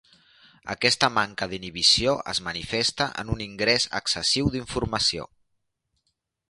Aquesta manca d'inhibició es manifesta en un ingrés excessiu d'informació.